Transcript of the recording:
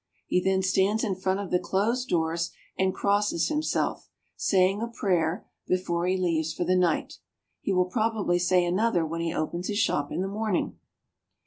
He then stands in front of the closed doors and crosses himself, saying a prayer, before he leaves for the night. He will probably say another when he opens his shop in the morning.